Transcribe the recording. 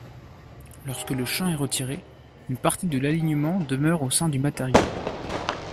Lorsque le champ est retiré, une partie de l'alignement demeure au sein du matériau.